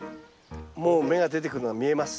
もう芽が出てくるのが見えます。